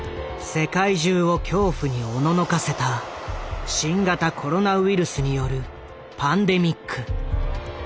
世界中を恐怖におののかせた新型コロナウイルスによるパンデミック。